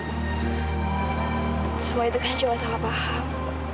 semua itu kan cuma salah paham